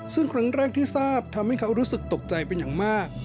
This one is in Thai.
ซึ่งครั้งแรกที่ทราบทำให้เขารู้สึกตกใจเป็นอย่างมาก